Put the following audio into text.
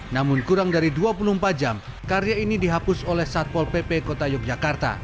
namun kurang dari dua puluh empat jam karya ini dihapus oleh satpol pp kota yogyakarta